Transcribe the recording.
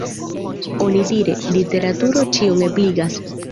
Onidire, literaturo ĉion ebligas.